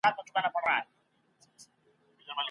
پنځه تر شپږو لږ دي.